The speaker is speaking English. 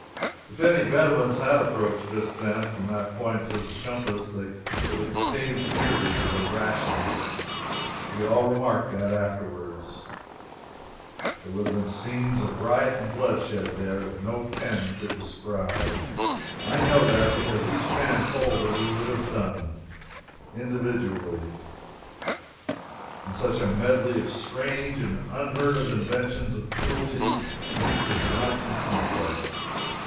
If any Bedouins had approached us, then, from that point of the compass, they would have paid dearly for their rashness. We all remarked that, afterwards. There would have been scenes of riot and bloodshed there that no pen could describe. I know that, because each man told what he would have done, individually; and such a medley of strange and unheard of inventions of cruelty you could not conceive of.